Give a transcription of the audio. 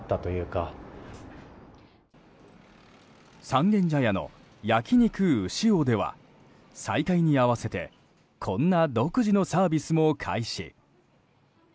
三軒茶屋の焼肉うしおでは再開に合わせてこんな独自のサービスも開始。